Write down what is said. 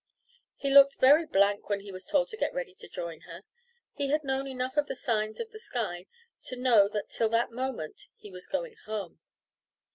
He looked very blank when he was told to get ready to join her. He had known enough of the signs of the sky to know that till that moment he was going "home."